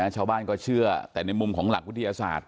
ชาวบ้านก็เชื่อแต่ในมุมของหลักวิทยาศาสตร์